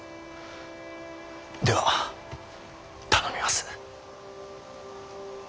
では頼みます。